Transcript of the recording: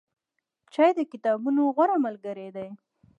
چای د کتابونو غوره ملګری دی.